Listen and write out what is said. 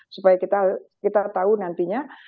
supaya kita tahu nantinya